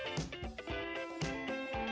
dan juga memiliki tekstur yang padat